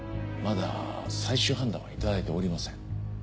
まだ最終判断はいただいておりません。